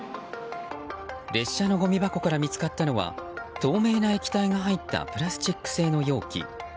列車のごみ箱から見つかったのは透明な液体が入ったプラスチック製の容器。